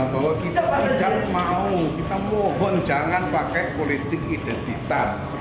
bahwa kita sedang mau kita mohon jangan pakai politik identitas